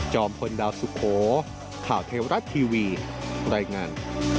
พลดาวสุโขข่าวเทวรัฐทีวีรายงาน